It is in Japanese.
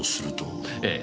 ええ。